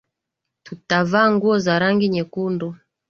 Tutavaa nguo za rangi nyekundu